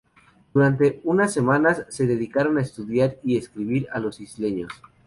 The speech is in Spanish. Durante unas semanas se dedicaron a estudiar y describir a los isleños.